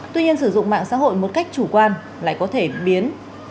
tuy nhiên sử dụng mạng xã hội một cách chủ quan lại có thể biến